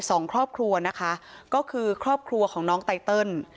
สองครอบครัวนะคะก็คือครอบครัวของน้องไตเติล